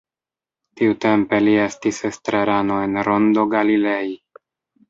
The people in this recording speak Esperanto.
Tiutempe li estis estrarano en Rondo Galilei.